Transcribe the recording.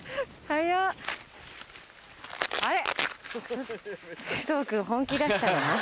あれ？